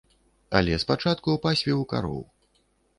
Але спачатку пасвіў кароў.